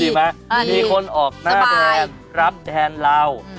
มีคนออกหน้าแทนรับแทนเรา